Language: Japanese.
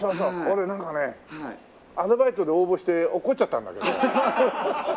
俺なんかねアルバイトで応募して落っこっちゃったんだけど。